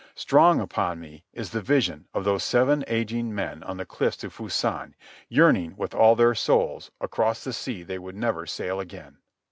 Strong upon me is the vision of those seven ageing men on the cliffs of Fusan yearning with all their souls across the sea they would never sail again.